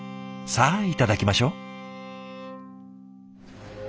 さあいただきましょう。